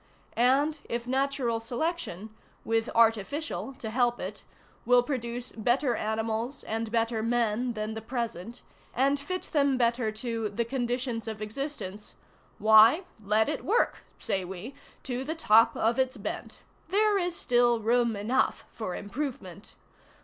And if natural selection, with artificial to help it, will produce better animals and better men than the present, and fit them better to "the conditions of existence," why, let it work, say we, to the top of its bent. There is still room enough for improvement.